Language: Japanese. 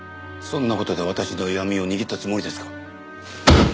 そんな事で私の弱みを握ったつもりですか？